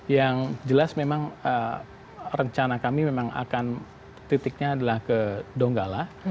yang jelas memang rencana kami memang akan titiknya adalah ke donggala